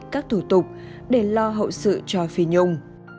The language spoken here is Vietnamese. các thủ tục để lo hậu sự cho phi nhung